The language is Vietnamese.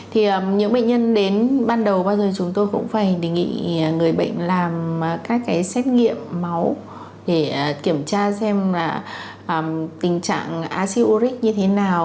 thì những bệnh nhân đến ban đầu bao giờ chúng tôi cũng phải đề nghị người bệnh làm các cái xét nghiệm máu để kiểm tra xem là tình trạng aci uric như thế nào